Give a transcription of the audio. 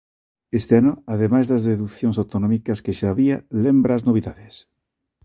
Este ano, ademais das deducións autonómicas que xa había, lembra as novidades.